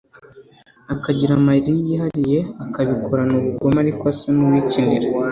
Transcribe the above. akagira amayeri yihariye akabikorana ubugome ariko asa n'uwikinira